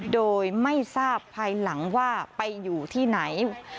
โดยไม่ทราบภายหลังว่าไปอยู่ที่ไหน